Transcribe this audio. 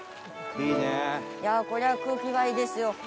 いやあこれは空気がいいですよ。